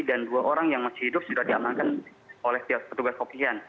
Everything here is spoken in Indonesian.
dan dua orang yang masih hidup sudah diamankan oleh petugas kopihan